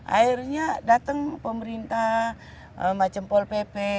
akhirnya datang pemerintah macam pol pp